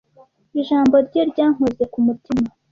Ijambo rye ryankoze ku mutima.